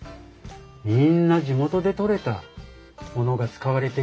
みんな地元で採れたものが使われているんです。